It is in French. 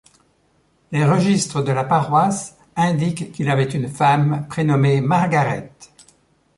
Les registres de la paroisse indiquent qu'il avait une femme prénommée Margaret.